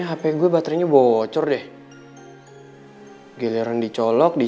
amin ya rabbal alamin